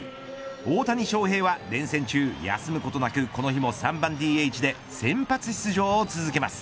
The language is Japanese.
大谷翔平は連戦中、休むことなくこの日も３番ＤＨで先発出場を続けます。